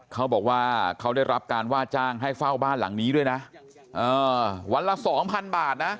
เขาบอกว่าเขาได้รับการว่าจ้างให้เฝ้าบ้านหลังนี้ด้วยนะวันละสองพันบาทนะ